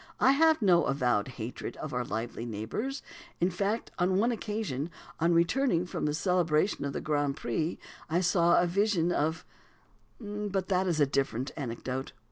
I have no "avowed hatred" of our lively neighbours; in fact, upon one occasion on returning from the celebration of the Grand Prix, I saw a vision of but that is a different anecdote.